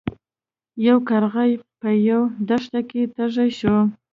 یو کارغه په یوه دښته کې تږی شو.